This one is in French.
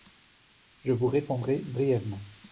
Je vous répondrai brièvement.